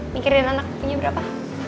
mikirin anak punya berapa